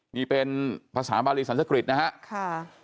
นี่เป็นภาษาบารีสันสกฤษนะครับ